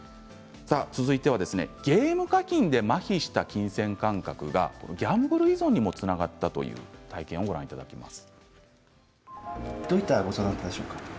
続いてゲーム課金でまひした金銭感覚がギャンブル依存にもつながったという体験をご覧いただきます。